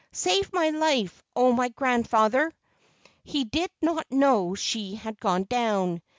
Save my life, O my grandfather!" He did not know she had gone down.